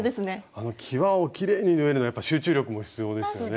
あのきわをきれいに縫うのがやっぱり集中力も必要ですよね。